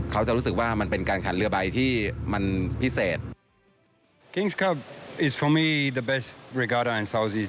เขาจะรู้สึกว่ามันเป็นการขันเรือใบที่มันพิเศษ